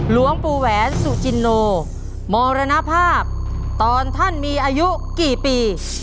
หลวงปู่แหวนสุจินโนมรณภาพตอนท่านมีอายุกี่ปี